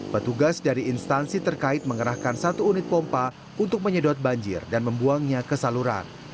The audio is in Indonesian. petugas dari instansi terkait mengerahkan satu unit pompa untuk menyedot banjir dan membuangnya ke saluran